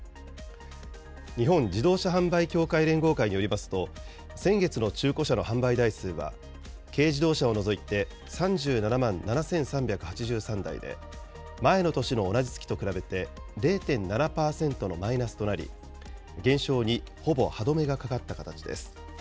日本自動車販売協会連合会によりますと、先月の中古車の販売台数は、軽自動車を除いて３７万７３８３台で前の年の同じ月と比べて、０．７％のマイナスとなり、減少にほぼ歯止めが掛かった形です。